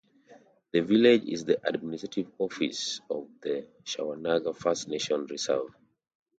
This village is the administrative office of the Shawanaga First Nation reserve.